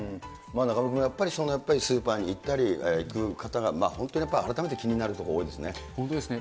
中丸君、やっぱりスーパーに行ったり、本当に改めて気になるところ多い本当ですね。